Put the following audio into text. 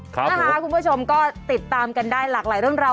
คุณผู้ชมก็ติดตามกันได้หลากหลายเรื่องราว